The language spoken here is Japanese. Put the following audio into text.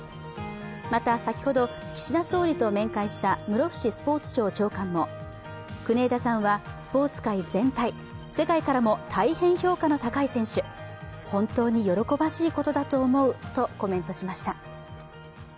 また、先ほど岸田総理と面会した室伏スポーツ庁長官も国枝さんはスポーツ界全体、世界からも大変評価の高い選手、本当に喜ばしいことだと思うとコメントしました。